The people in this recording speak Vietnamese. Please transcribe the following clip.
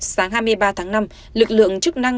sáng hai mươi ba tháng năm lực lượng chức năng